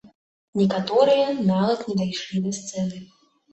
Некаторыя нават не дайшлі да сцэны.